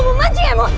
kau memanji emosiku